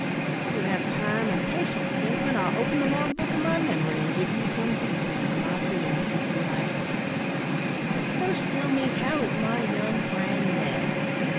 If you have time and patience, kinsman, I'll open the log book of my memory and give you some details of my doings since we last met. But first tell me, how is my young friend, Ned?"